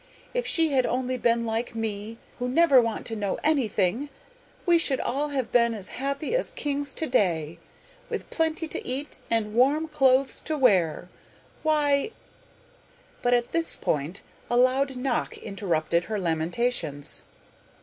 If she had only been like me, who never want to know anything, we should all have been as happy as kings to day, with plenty to eat, and warm clothes to wear. Why ' but at this point a loud knock interrupted her lamentations.